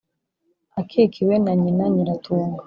akikiwe na nyina Nyiratunga